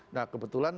nah kebetulan ya